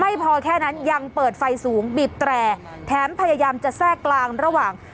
พอแค่นั้นยังเปิดไฟสูงบีบแตรแถมพยายามจะแทรกกลางระหว่าง